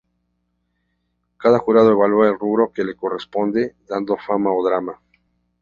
Cada jurado evalúa el rubro que le corresponde dando Fama o Drama.